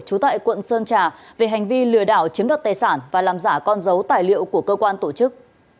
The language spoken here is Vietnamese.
trú tại quận sơn trà về hành vi lừa đảo chiếm đoạt tài sản và làm giả con dấu tài liệu của cơ quan tổ chức